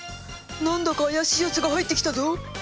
何だか怪しいヤツが入ってきたぞ！